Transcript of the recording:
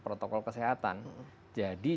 protokol kesehatan jadi